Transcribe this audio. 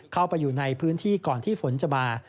เข้าไปอยู่ในพื้นที่ก่อนที่ฝนจะมา